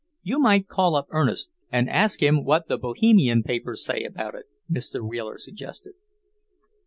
"You might call up Ernest, and ask him what the Bohemian papers say about it," Mr. Wheeler suggested.